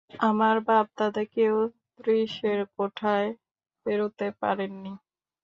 আমার বাপ দাদা কেউ ত্রিশের কোঠা পেরোতে পারেন নি।